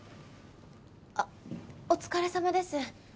あっお疲れさまです。